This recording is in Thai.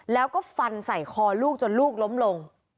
แล้วก็ฟันใส่คอลูกจนลูกล้มลง